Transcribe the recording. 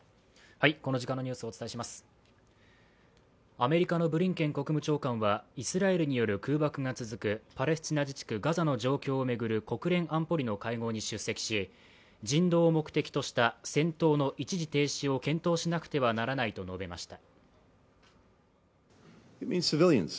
アメリカのブリンケン国務長官はイスラエルによる空爆が続くパレスチナ自治区ガザの状況を巡る国連安全保障理事会の会合に出席し人道を目的とした戦闘の一時停止を検討しなくてはならないと述べました。